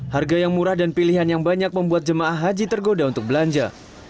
harga yang murah dan pilihan yang banyak membuat jemaah haji tergoda untuk belanja